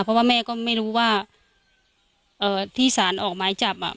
เพราะว่าแม่ก็ไม่รู้ว่าเอ่อที่สารออกไม้จับอ่ะ